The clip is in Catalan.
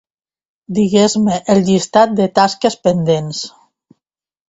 Digues-me el llistat de tasques pendents.